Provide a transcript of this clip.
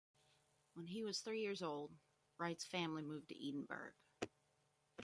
When he was three years old, Wright's family moved to Edinburgh.